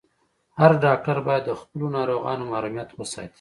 هر ډاکټر باید د خپلو ناروغانو محرميت وساتي.